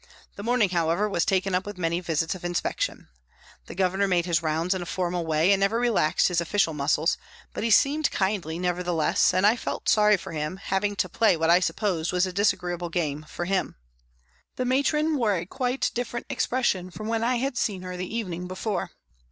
The morning, however, was taken up with many visits of inspec tion. The Governor made his rounds in a formal way and never relaxed his official muscles, but he seemed kindly, nevertheless, and I felt sorry for him having to play what I supposed was a dis agreeable game for him. The matron wore a quite different expression from when I had seen her the evening before.